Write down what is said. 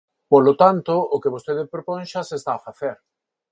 Polo tanto, o que vostede propón xa se está a facer.